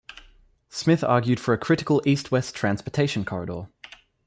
Smith argued for a critical east-west transportation corridor.